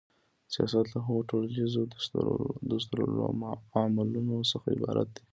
سیاست له هغو ټولیزو دستورالعملونو څخه عبارت دی.